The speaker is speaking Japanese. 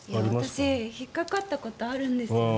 私、引っかかったことあるんですよね。